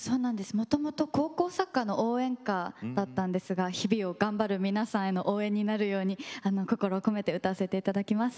もともと高校サッカーの応援歌だったんですが日々を頑張る皆さんへの応援になるように心を込めて歌わせていただきます。